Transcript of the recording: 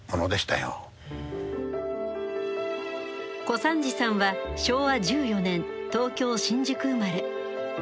小三治さんは昭和１４年東京・新宿生まれ。